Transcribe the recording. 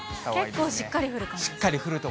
結構しっかり降ると。